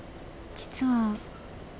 実は」。